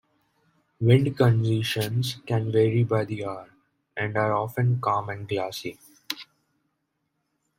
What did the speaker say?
Wind conditions can vary by the hour, and are often calm and glassy.